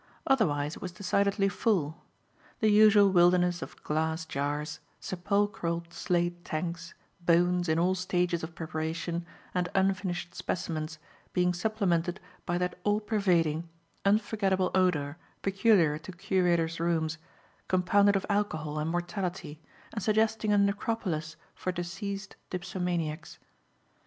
Otherwise it was decidedly full; the usual wilderness of glass jars, sepulchral slate tanks, bones in all stages of preparation and unfinished specimens, being supplemented by that all pervading, unforgettable odour peculiar to curator's rooms, compounded of alcohol and mortality, and suggesting a necropolis for deceased dipsomaniacs.